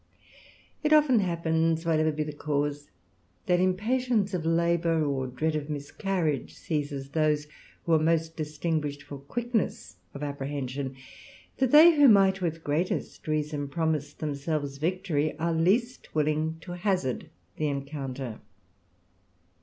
It often happens, whatever be the cause, that impatience of labour, or dread of miscarriage, seizes those who are most distinguished for quickness of apprehension ; and that they " who might with greatest reason promise themselves victory,..^ are least willing to hazard the encounter.